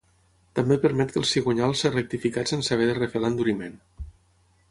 També permet que el cigonyal ser rectificat sense haver de refer l'enduriment.